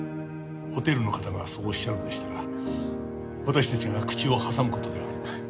ホテルの方がそうおっしゃるんでしたら私たちが口を挟む事ではありません。